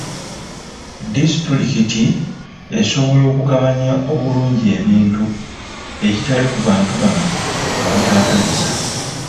Disitulikiti esobola okugabanya obulungi ebintu ekitali ku bantu bano abataagaliza.